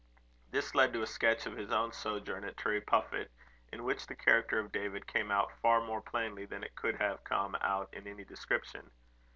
This led to a sketch of his own sojourn at Turriepuffit; in which the character of David came out far more plainly than it could have come out in any description.